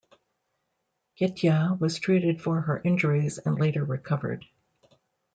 Ghetia was treated for her injuries and later recovered.